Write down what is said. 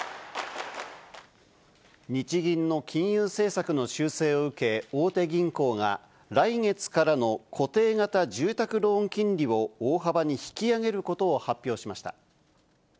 日銀の金融政策の修正を受け、大手銀行が、来月からの固定型住宅ローン金利を大幅に引き上げることを発表しました。